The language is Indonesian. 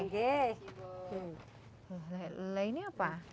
lihatlah ini apa